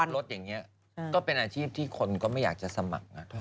รถอย่างนี้ก็เป็นอาชีพที่คนก็ไม่อยากจะสมัคร